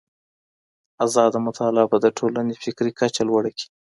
ازاده مطالعه به د ټولني فکري کچه لوړه کړي.